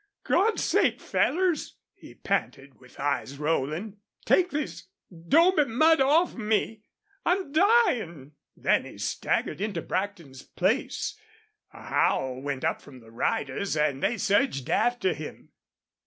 "God's sake fellers " he panted, with eyes rolling, "take this 'dobe mud off me! ... I'm dyin'!" Then he staggered into Brackton's place. A howl went up from the riders and they surged after him.